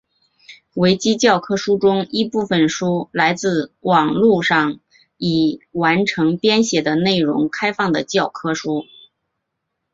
维基教科书中一部分书来自网路上已完成编写的内容开放的教科书。